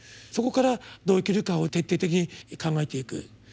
そこからどう生きるかを徹底的に考えていく。